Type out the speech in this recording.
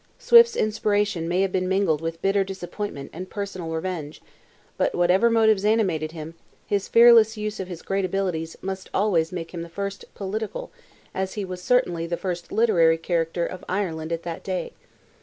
Swift's inspiration may have been mingled with bitter disappointment and personal revenge; but, whatever motives animated him, his fearless use of his great abilities must always make him the first political, as he was certainly the first literary character of Ireland at that day.